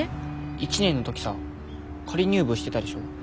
１年の時さ仮入部してたでしょ？